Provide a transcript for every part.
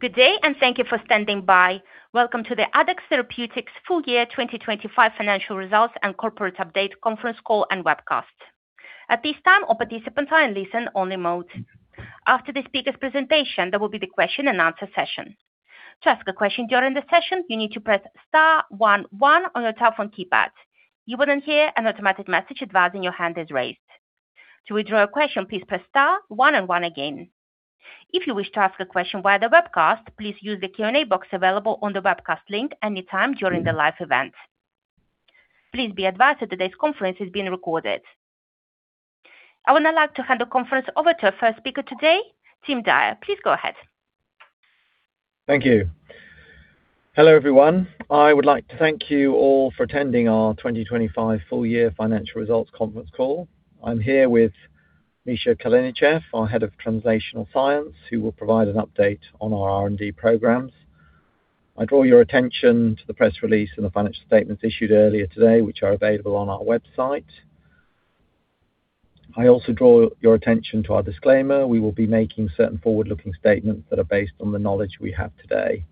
Good day, and thank you for standing by. Welcome to the Addex Therapeutics full year 2025 financial results and corporate update conference call and webcast. At this time, all participants are in listen-only mode. After the speaker's presentation, there will be the question and answer session. To ask a question during the session, you need to press star one one on your telephone keypad. You will then hear an automatic message advising your hand is raised. To withdraw your question, please press star one and one again. If you wish to ask a question via the webcast, please use the Q&A box available on the webcast link any time during the live event. Please be advised that today's conference is being recorded. I would now like to hand the conference over to our first speaker today, Tim Dyer. Please go ahead. Thank you. Hello, everyone. I would like to thank you all for attending our 2025 full year financial results conference call. I'm here with Mikhail Kalinichev, our Head of Translational Science, who will provide an update on our R&D programs. I draw your attention to the press release and the financial statements issued earlier today, which are available on our website. I also draw your attention to our disclaimer. We will be making certain forward-looking statements that are based on the knowledge we have today.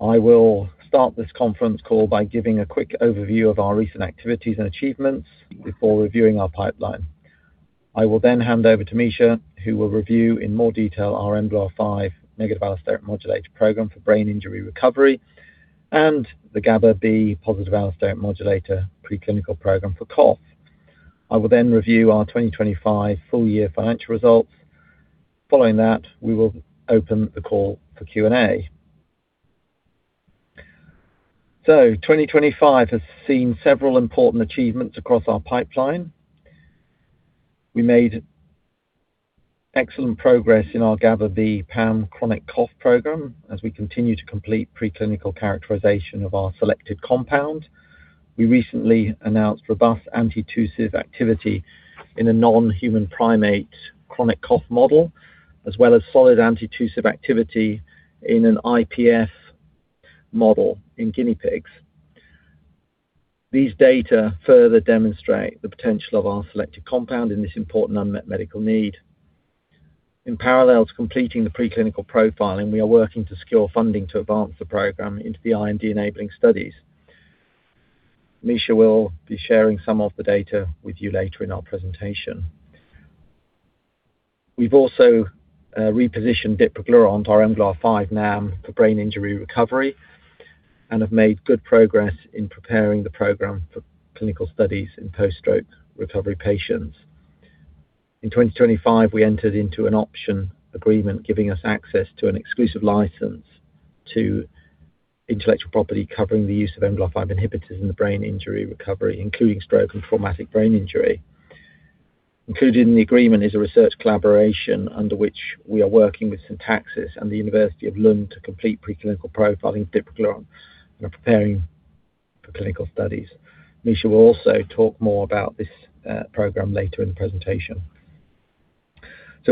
I will start this conference call by giving a quick overview of our recent activities and achievements before reviewing our pipeline. I will then hand over to Misha, who will review in more detail our mGlu5 negative allosteric modulator program for brain injury recovery and the GABAB positive allosteric modulator preclinical program for cough. I will then review our 2025 full year financial results. Following that, we will open the call for Q&A. 2025 has seen several important achievements across our pipeline. We made excellent progress in our GABAB PAM chronic cough program as we continue to complete preclinical characterization of our selected compound. We recently announced robust antitussive activity in a non-human primate chronic cough model, as well as solid antitussive activity in an IPF model in guinea pigs. These data further demonstrate the potential of our selected compound in this important unmet medical need. In parallel to completing the preclinical profiling, we are working to secure funding to advance the program into the IND-enabling studies. Misha will be sharing some of the data with you later in our presentation. We've also repositioned dipraglurant, our mGlu5 NAM, for brain injury recovery and have made good progress in preparing the program for clinical studies in post-stroke recovery patients. In 2025, we entered into an option agreement giving us access to an exclusive license to intellectual property covering the use of mGlu5 inhibitors in the brain injury recovery, including stroke and traumatic brain injury. Included in the agreement is a research collaboration under which we are working with Sinntaxis and Lund University to complete preclinical profiling of dipraglurant and are preparing for clinical studies. Misha will also talk more about this program later in the presentation.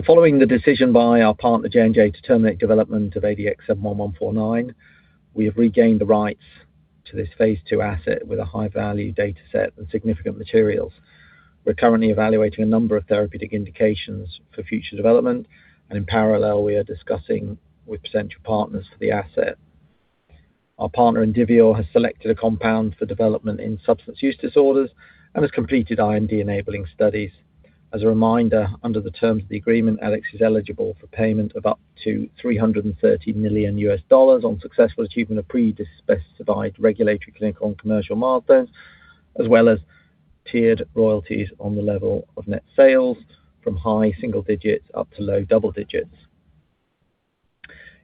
Following the decision by our partner J&J to terminate development of ADX71149, we have regained the rights to this phase II asset with a high-value data set and significant materials. We are currently evaluating a number of therapeutic indications for future development, and in parallel, we are discussing with potential partners for the asset. Our partner Indivior has selected a compound for development in substance use disorders and has completed IND-enabling studies. As a reminder, under the terms of the agreement, Addex is eligible for payment of up to $330 million on successful achievement of pre-specified regulatory, clinical, and commercial milestones, as well as tiered royalties on the level of net sales from high single digits up to low double digits.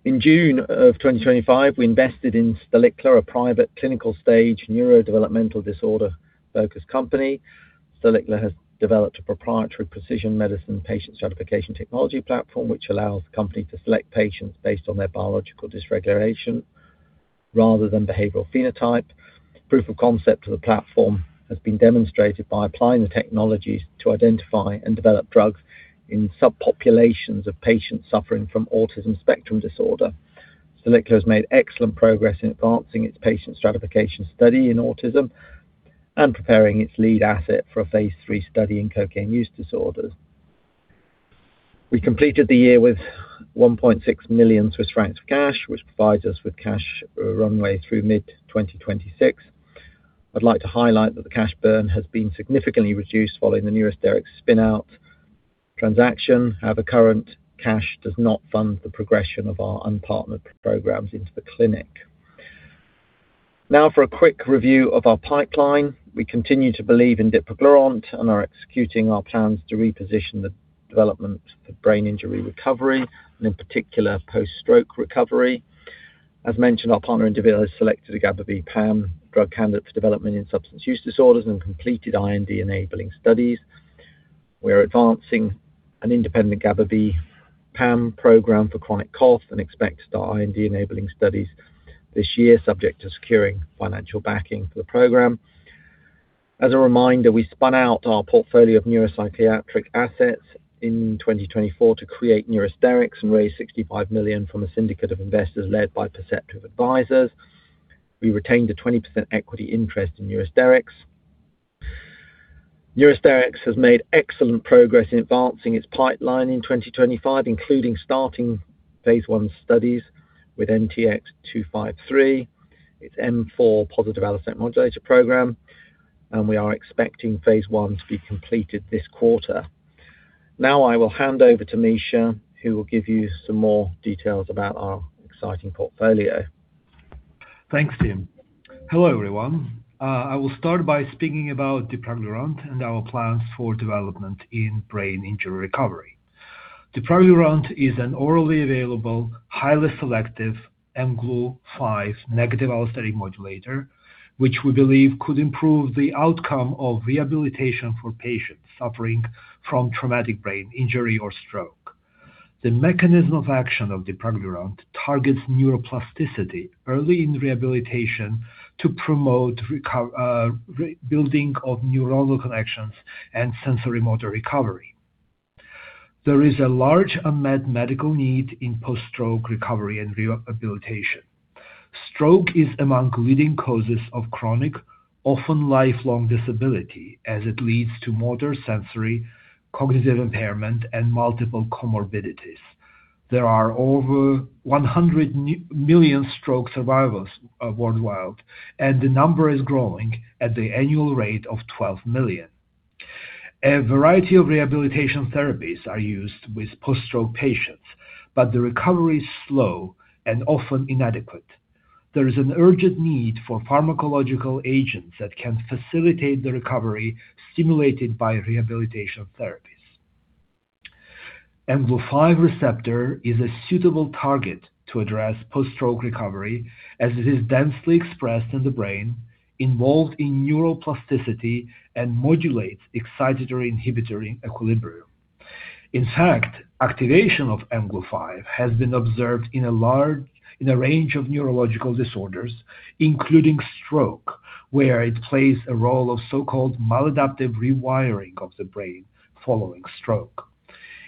In June of 2025, we invested in Stalicla, a private clinical-stage neurodevelopmental disorder-focused company. Stalicla has developed a proprietary precision medicine patient stratification technology platform, which allows the company to select patients based on their biological dysregulation rather than behavioral phenotype. Proof of concept of the platform has been demonstrated by applying the technologies to identify and develop drugs in subpopulations of patients suffering from autism spectrum disorder. Stalicla has made excellent progress in advancing its patient stratification study in autism and preparing its lead asset for a phase III study in cocaine use disorders. We completed the year with 1.6 million Swiss francs cash, which provides us with cash runway through mid-2026. I'd like to highlight that the cash burn has been significantly reduced following the Neurosterix spin-out transaction. However, current cash does not fund the progression of our unpartnered programs into the clinic. Now for a quick review of our pipeline. We continue to believe in dipraglurant and are executing our plans to reposition the development for brain injury recovery and, in particular, post-stroke recovery. As mentioned, our partner Indivior has selected a GABAB PAM drug candidate for development in substance use disorders and completed IND-enabling studies. We are advancing an independent GABAB PAM program for chronic cough and expect to start IND-enabling studies this year, subject to securing financial backing for the program. As a reminder, we spun out our portfolio of neuropsychiatric assets in 2024 to create Neurosterix and raised $65 million from a syndicate of investors led by Perceptive Advisors. We retained a 20% equity interest in Neurosterix. Neurosterix has made excellent progress in advancing its pipeline in 2025, including starting phase I studies with NTX-253, its M4 positive allosteric modulator program, and we are expecting phase I to be completed this quarter. Now, I will hand over to Mikhail Kalinichev, who will give you some more details about our exciting portfolio. Thanks, Tim. Hello, everyone. I will start by speaking about dipraglurant and our plans for development in brain injury recovery. dipraglurant is an orally available, highly selective mGlu5 negative allosteric modulator, which we believe could improve the outcome of rehabilitation for patients suffering from traumatic brain injury or stroke. The mechanism of action of dipraglurant targets neuroplasticity early in rehabilitation to promote re-building of neuronal connections and sensorimotor recovery. There is a large unmet medical need in post-stroke recovery and rehabilitation. Stroke is among leading causes of chronic, often lifelong disability, as it leads to motor, sensory, cognitive impairment, and multiple comorbidities. There are over 100 million stroke survivors worldwide, and the number is growing at the annual rate of 12 million. A variety of rehabilitation therapies are used with post-stroke patients, the recovery is slow and often inadequate. There is an urgent need for pharmacological agents that can facilitate the recovery stimulated by rehabilitation therapies. mGlu5 receptor is a suitable target to address post-stroke recovery, as it is densely expressed in the brain, involved in neuroplasticity, and modulates excitatory-inhibitory equilibrium. In fact, activation of mGlu5 has been observed in a range of neurological disorders, including stroke, where it plays a role of so-called maladaptive rewiring of the brain following stroke.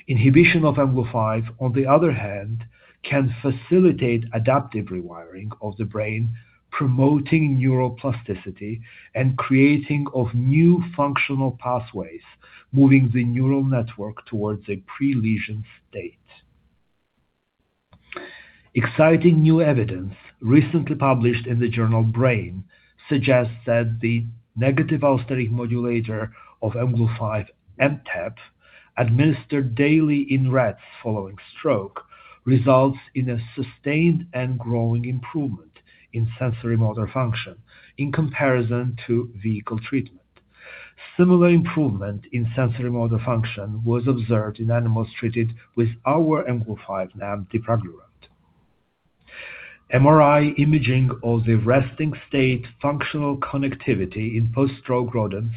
Inhibition of mGlu5, on the other hand, can facilitate adaptive rewiring of the brain, promoting neuroplasticity and creating of new functional pathways, moving the neural network towards a pre-lesion state. Exciting new evidence recently published in the journal Brain suggests that the negative allosteric modulator of mGlu5, MTEP, administered daily in rats following stroke, results in a sustained and growing improvement in sensorimotor function in comparison to vehicle treatment. Similar improvement in sensorimotor function was observed in animals treated with our mGlu5 NAM, dipraglurant. MRI imaging of the resting state functional connectivity in post-stroke rodents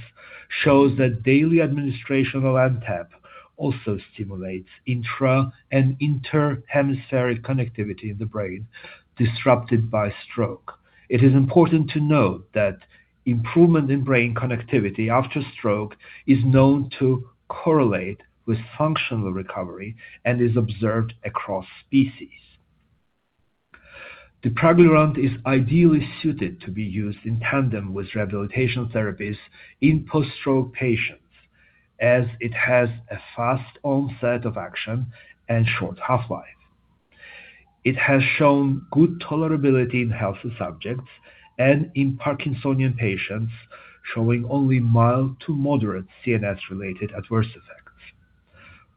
shows that daily administration of MTEP also stimulates intra and inter-hemispheric connectivity in the brain disrupted by stroke. It is important to note that improvement in brain connectivity after stroke is known to correlate with functional recovery and is observed across species. dipraglurant is ideally suited to be used in tandem with rehabilitation therapies in post-stroke patients, as it has a fast onset of action and short half-life. It has shown good tolerability in healthy subjects and in Parkinsonian patients, showing only mild to moderate CNS-related adverse effects.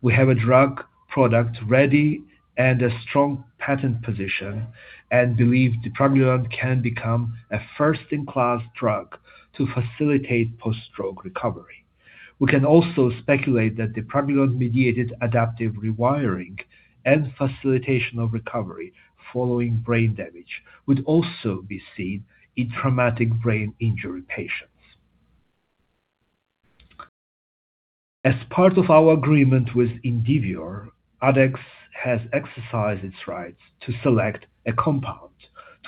We have a drug product ready and a strong patent position and believe dipraglurant can become a first-in-class drug to facilitate post-stroke recovery. We can also speculate that dipraglurant-mediated adaptive rewiring and facilitational recovery following brain damage would also be seen in traumatic brain injury patients. As part of our agreement with Indivior, Addex has exercised its rights to select a compound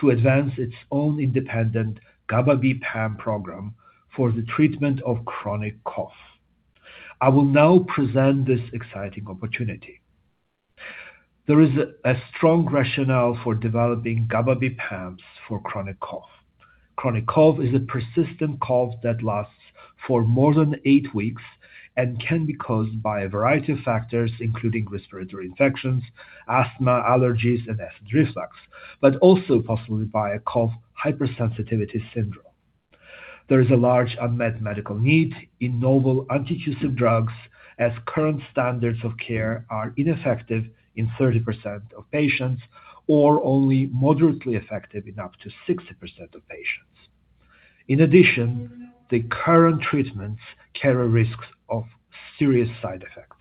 to advance its own independent GABAB PAM program for the treatment of chronic cough. I will now present this exciting opportunity. There is a strong rationale for developing GABAB PAMs for chronic cough. Chronic cough is a persistent cough that lasts for more than eight weeks and can be caused by a variety of factors, including respiratory infections, asthma, allergies, and acid reflux, but also possibly by a cough hypersensitivity syndrome. There is a large unmet medical need in novel antitussive drugs as current standards of care are ineffective in 30% of patients or only moderately effective in up to 60% of patients. In addition, the current treatments carry risks of serious side effects.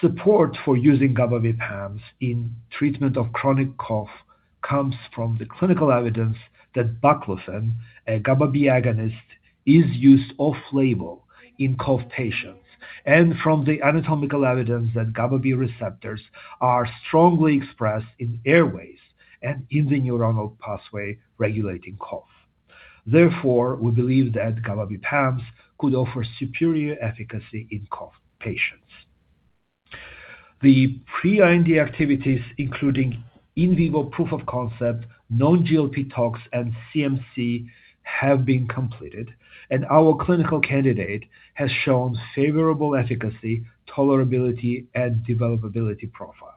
Support for using GABAB PAMs in treatment of chronic cough comes from the clinical evidence that baclofen, a GABAB agonist, is used off-label in cough patients, and from the anatomical evidence that GABAB receptors are strongly expressed in airways and in the neuronal pathway regulating cough. We believe that GABAB PAMs could offer superior efficacy in cough patients. The pre-IND activities, including in vivo proof of concept, non-GLP tox, and CMC, have been completed, and our clinical candidate has shown favorable efficacy, tolerability, and developability profiles.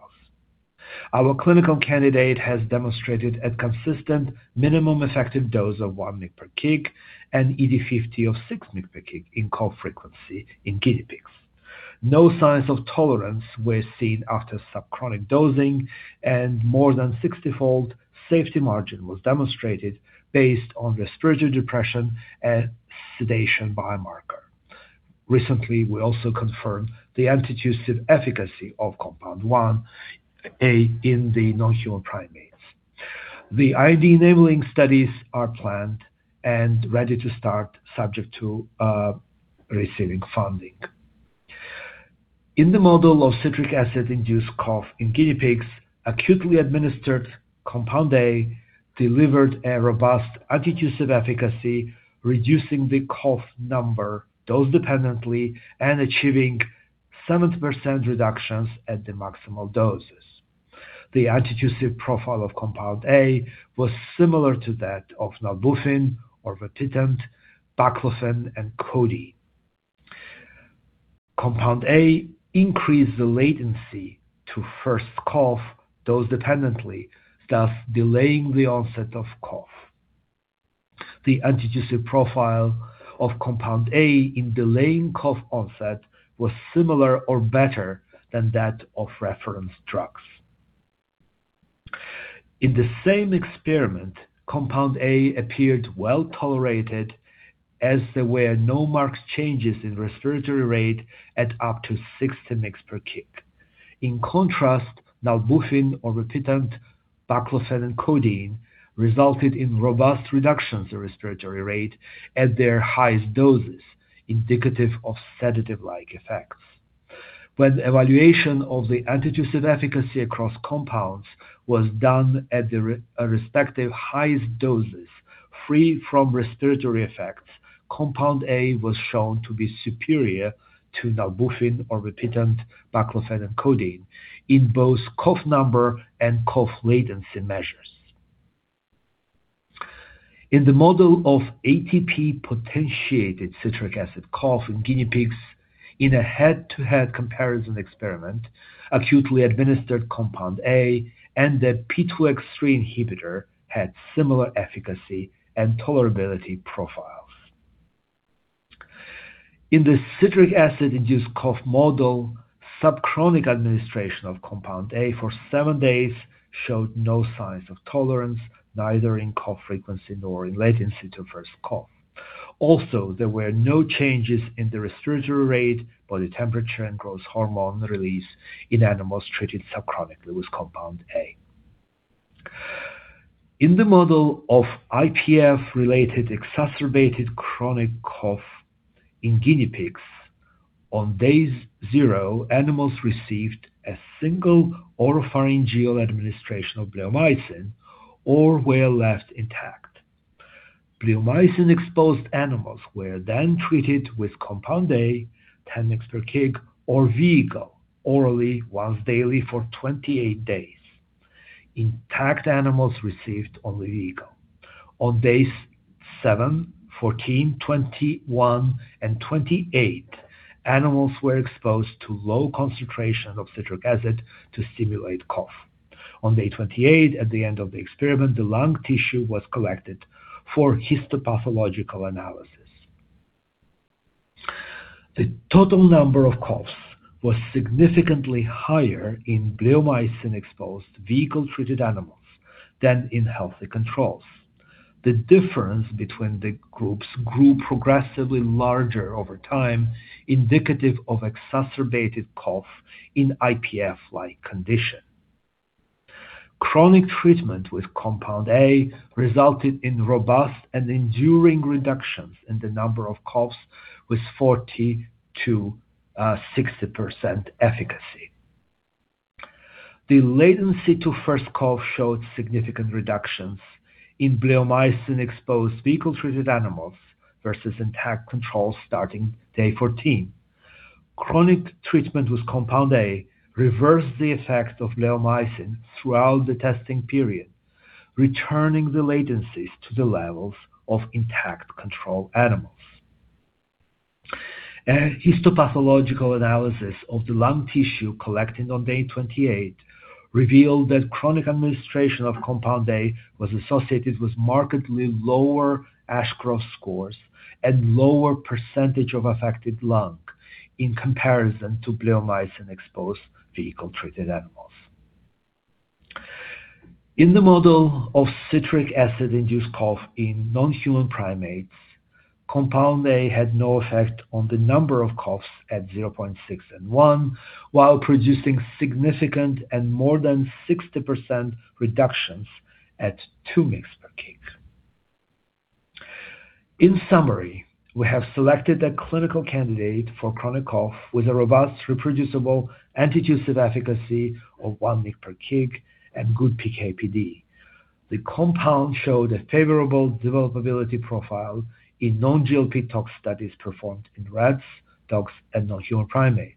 Our clinical candidate has demonstrated a consistent minimum effective dose of 1 mg/kg and ED50 of 6 mg/kg in cough frequency in guinea pigs. No signs of tolerance were seen after subchronic dosing, and more than 60-fold safety margin was demonstrated based on respiratory depression and sedation biomarker. Recently, we also confirmed the antitussive efficacy of compound 1A in the non-human primates. The IND-enabling studies are planned and ready to start subject to receiving funding. In the model of citric acid-induced cough in guinea pigs, acutely administered compound A delivered a robust antitussive efficacy, reducing the cough number dose-dependently and achieving 70% reductions at the maximal doses. The antitussive profile of compound A was similar to that of nalbuphine, aprepitant, baclofen, and codeine. Compound A increased the latency to first cough dose-dependently, thus delaying the onset of cough. The antitussive profile of compound A in delaying cough onset was similar or better than that of reference drugs. In the same experiment, compound A appeared well-tolerated as there were no marked changes in respiratory rate at up to 60 mg/kg. In contrast, nalbuphine, aprepitant, baclofen, and codeine resulted in robust reductions in respiratory rate at their highest doses, indicative of sedative-like effects. When evaluation of the antitussive efficacy across compounds was done at the respective highest doses, free from respiratory effects, compound A was shown to be superior to nalbuphine, aprepitant, baclofen, and codeine in both cough number and cough latency measures. In the model of ATP-potentiated citric acid cough in guinea pigs, in a 1 head-to-head comparison experiment, acutely administered compound A and a P2X3 inhibitor had similar efficacy and tolerability profiles. In the citric acid-induced cough model, subchronic administration of compound A for seven days showed no signs of tolerance, neither in cough frequency nor in latency to first cough. There were no changes in the respiratory rate, body temperature, and growth hormone release in animals treated subchronically with compound A. In the model of IPF-related exacerbated chronic cough in guinea pigs, on days 0, animals received a single oropharyngeal administration of bleomycin or were left intact. Bleomycin-exposed animals were then treated with compound A, 10 mgs per kg, or vehicle orally once daily for 28 days. Intact animals received only vehicle. On days, seven,14, 21, and 28, animals were exposed to low concentration of citric acid to stimulate cough. On day 28, at the end of the experiment, the lung tissue was collected for histopathological analysis. The total number of coughs was significantly higher in bleomycin-exposed vehicle-treated animals than in healthy controls. The difference between the groups grew progressively larger over time, indicative of exacerbated cough in IPF-like condition. Chronic treatment with compound A resulted in robust and enduring reductions in the number of coughs with 40% to 60% efficacy. The latency to first cough showed significant reductions in bleomycin-exposed vehicle-treated animals versus intact controls starting day 14. Chronic treatment with compound A reversed the effects of bleomycin throughout the testing period, returning the latencies to the levels of intact control animals. A histopathological analysis of the lung tissue collected on day 28 revealed that chronic administration of compound A was associated with markedly lower Ashcroft scores and lower % of affected lung in comparison to bleomycin-exposed vehicle-treated animals. In the model of citric acid-induced cough in non-human primates, compound A had no effect on the number of coughs at 0.6 and one, while producing significant and more than 60% reductions at 2 mg per kg. In summary, we have selected a clinical candidate for chronic cough with a robust, reproducible antitussive efficacy of 1 mg per kg and good PK/PD. The compound showed a favorable developability profile in non-GLP tox studies performed in rats, dogs, and non-human primates.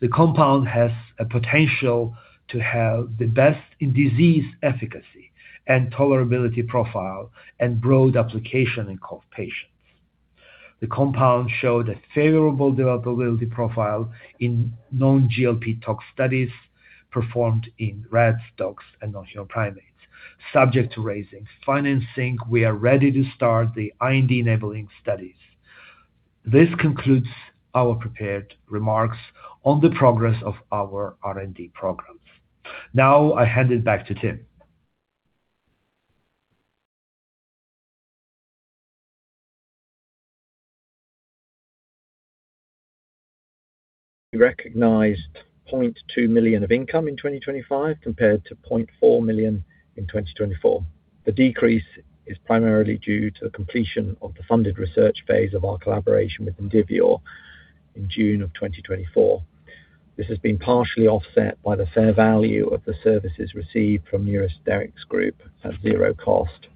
The compound has a potential to have the best in disease efficacy and tolerability profile and broad application in cough patients. The compound showed a favorable developability profile in non-GLP tox studies performed in rats, dogs, and non-human primates. Subject to raising financing, we are ready to start the IND-enabling studies. This concludes our prepared remarks on the progress of our R&D programs. I hand it back to Tim. Recognized 0.2 million of income in 2025 compared to 0.4 million in 2024. The decrease is primarily due to the completion of the funded research phase of our collaboration with Indivior in June of 2024. This has been partially offset by the fair value of the services received from Neurosterix Group at zero cost.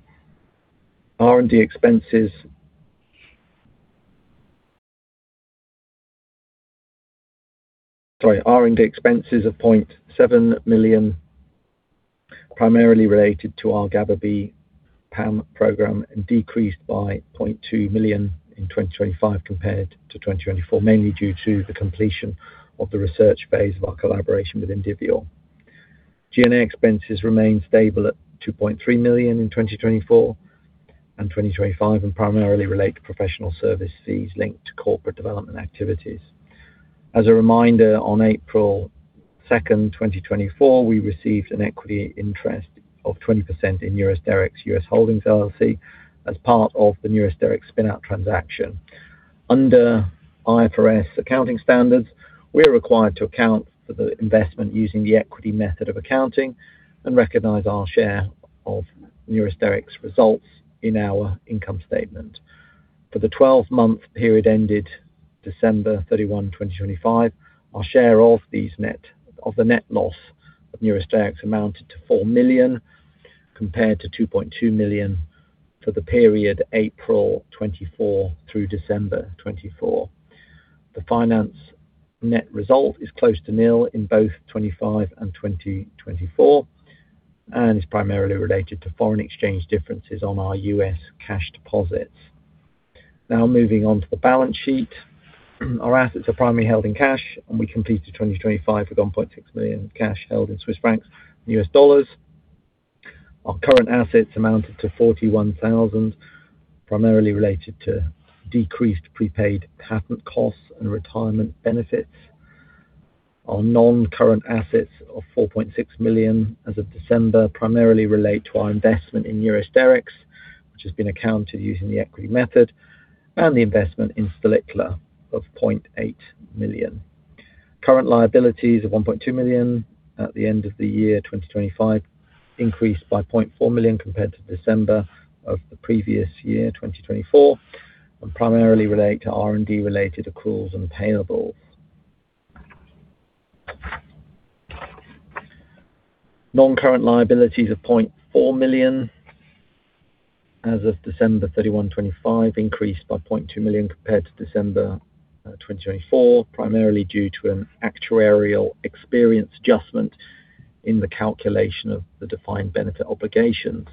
R&D expenses of 0.7 million, primarily related to our GABAB PAM program, decreased by 0.2 million in 2025 compared to 2024, mainly due to the completion of the research phase of our collaboration with Indivior. G&A expenses remained stable at 2.3 million in 2024 and 2025 and primarily relate to professional service fees linked to corporate development activities. As a reminder, on April 2, 2024, we received an equity interest of 20% in Neurosterix US Holdings LLC as part of the Neurosterix spin-out transaction. Under IFRS accounting standards, we are required to account for the investment using the equity method of accounting and recognize our share of Neurosterix results in our income statement. For the 12-month period ended December 31, 2025, our share of the net loss of Neurosterix amounted to 4 million, compared to 2.2 million for the period April 2024 through December 2024. The finance net result is close to nil in both 2025 and 2024 and is primarily related to foreign exchange differences on our U.S. cash deposits. Now moving on to the balance sheet. Our assets are primarily held in cash. We completed 2025 with 1.6 million cash held in Swiss francs and US dollars. Our current assets amounted to 41,000, primarily related to decreased prepaid patent costs and retirement benefits. Our non-current assets of 4.6 million as of December primarily relate to our investment in Neurosterix, which has been accounted using the equity method, and the investment in Stalicla of 0.8 million. Current liabilities of 1.2 million at the end of the year, 2025, increased by 0.4 million compared to December of the previous year, 2024, and primarily relate to R&D related accruals and payables. Non-current liabilities of 0.4 million as of December 31, 2025, increased by 0.2 million compared to December 2024, primarily due to an actuarial experience adjustment in the calculation of the defined benefit obligations.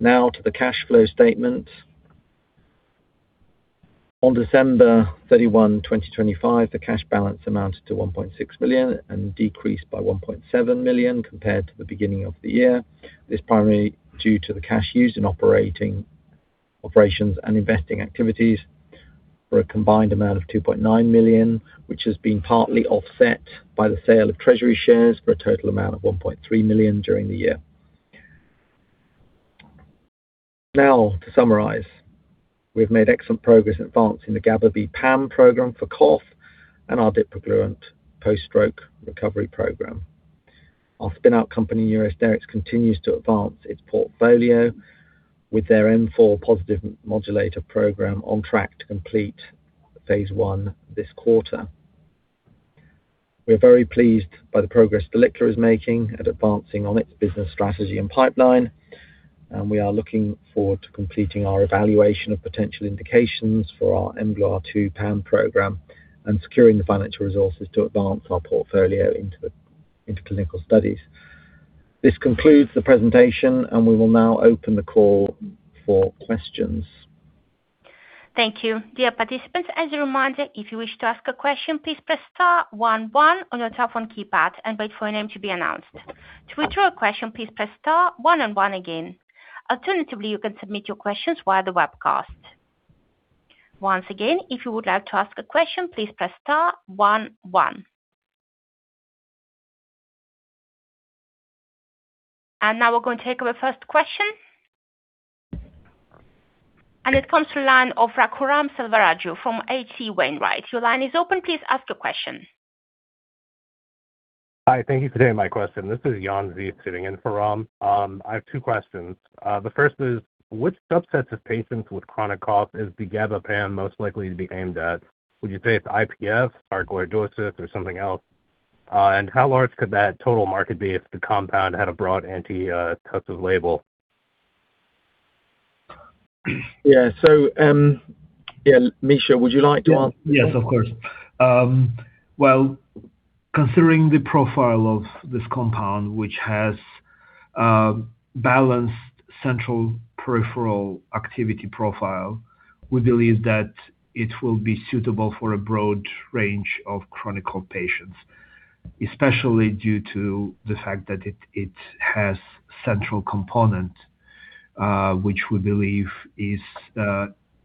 To the cash flow statement. On December 31, 2025, the cash balance amounted to 1.6 million and decreased by 1.7 million compared to the beginning of the year. This was primarily due to the cash used in operating operations and investing activities for a combined amount of 2.9 million, which has been partly offset by the sale of treasury shares for a total amount of 1.3 million during the year. To summarize, we've made excellent progress in advancing the GABAB PAM program for cough and our dipraglurant post-stroke recovery program. Our spin-out company, Neurosterix, continues to advance its portfolio with their M4 positive modulator program on track to complete phase I this quarter. We are very pleased by the progress Stalicla is making at advancing on its business strategy and pipeline, and we are looking forward to completing our evaluation of potential indications for our mGlu2 PAM program and securing the financial resources to advance our portfolio into clinical studies. This concludes the presentation. We will now open the call for questions. Thank you. Dear participants, as a reminder, if you wish to ask a question, please press star one one on your telephone keypad and wait for your name to be announced. To withdraw a question, please press star one and one again. Alternatively, you can submit your questions via the webcast. Once again, if you would like to ask a question, please press star one one. Now we're going to take our first question. It comes to line of Raghuram Selvaraju from HC Wainwright. Your line is open. Please ask your question. Hi, thank you for taking my question. This is Jan Z sitting in for Ram. I have two questions. The first is, which subsets of patients with chronic cough is the GABAB PAM most likely to be aimed at? Would you say it's IPF or gliosis or something else? How large could that total market be if the compound had a broad antitussive label? Yeah. yeah, Misha, would you like to answer? Yes, of course. Well, considering the profile of this compound, which has balanced central peripheral activity profile, we believe that it will be suitable for a broad range of chronic cough patients, especially due to the fact that it has central component, which we believe is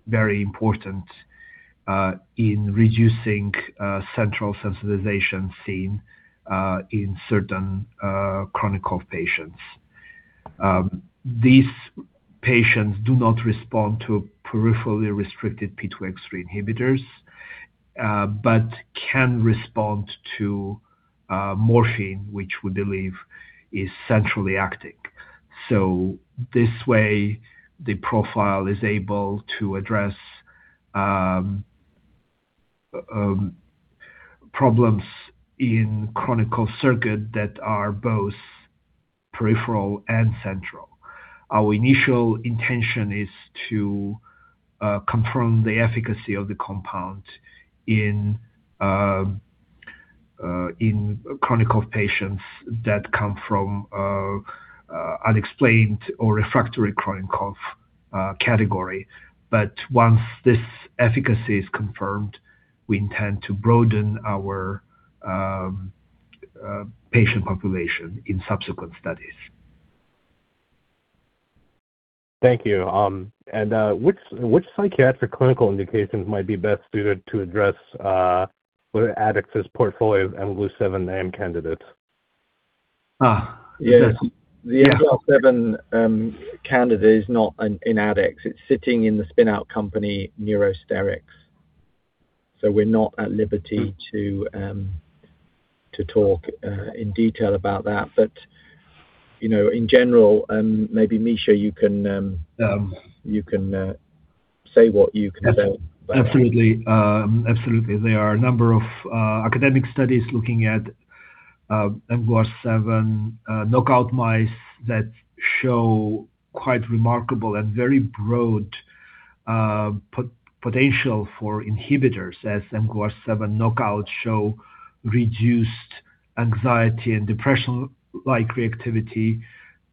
very important in reducing central sensitization seen in certain chronic cough patients. These patients do not respond to peripherally restricted P2X3 inhibitors, but can respond to morphine, which we believe is centrally acting. This way the profile is able to address problems in chronic cough circuit that are both peripheral and central. Our initial intention is to confirm the efficacy of the compound in chronic cough patients that come from unexplained or refractory chronic cough category. Once this efficacy is confirmed, we intend to broaden our patient population in subsequent studies. Thank you. Which psychiatric clinical indications might be best suited to address Addex's portfolio of mGlu7 NAM candidates? Ah. Yes. The MGLUR7 candidate is not in Addex. It's sitting in the spinout company, Neurosterix. We're not at liberty to talk in detail about that. You know, in general, maybe Misha you can say what you can say. Absolutely. Absolutely. There are a number of academic studies looking at mGlu7 knockout mice that show quite remarkable and very broad potential for inhibitors as mGlu7 knockouts show reduced anxiety and depression-like reactivity.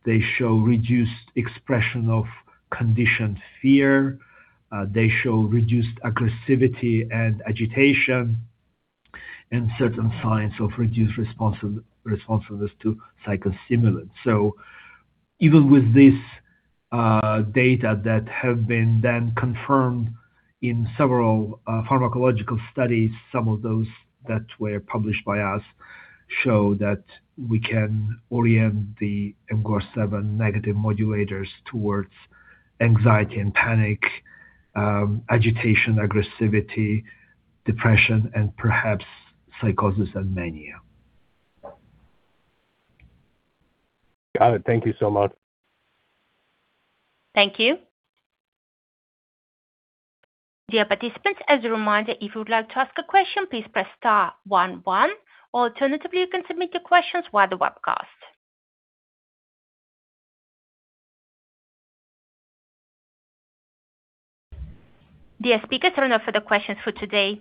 They show reduced expression of conditioned fear. They show reduced aggressivity and agitation and certain signs of reduced responsiveness to psychostimulants. Even with this data that have been then confirmed in several pharmacological studies, some of those that were published by us show that we can orient the mGlu7 negative modulators towards anxiety and panic, agitation, aggressivity, depression, and perhaps psychosis and mania. Thank you so much. Thank you. Dear participants, as a reminder, if you would like to ask a question, please press star one one, or alternatively, you can submit your questions via the webcast. Dear speakers, there are no further questions for today.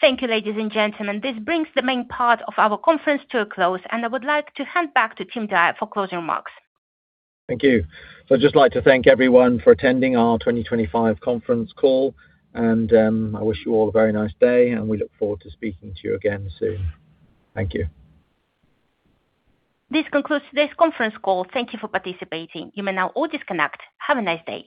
Thank you, ladies and gentlemen. This brings the main part of our conference to a close, and I would like to hand back to Tim Dyer for closing remarks. Thank you. I'd just like to thank everyone for attending our 2025 conference call and, I wish you all a very nice day, and we look forward to speaking to you again soon. Thank you. This concludes today's conference call. Thank you for participating. You may now all disconnect. Have a nice day.